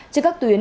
cho các tuyến